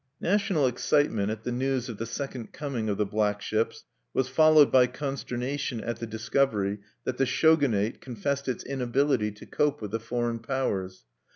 National excitement at the news of the second coming of the Black Ships was followed by consternation at the discovery that the Shogunate confessed its inability to cope with the foreign powers.